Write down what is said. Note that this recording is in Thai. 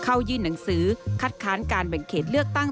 ยื่นหนังสือคัดค้านการแบ่งเขตเลือกตั้ง